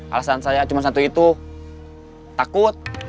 alasan saya cuma satu itu takut